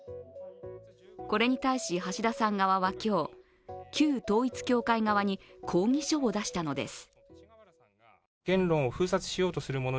これに対し、橋田さん側は今日、旧統一教会側に抗議書を出したのです。